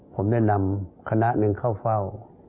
ผมได้นำคณะหนึ่งเข้าเฝ้า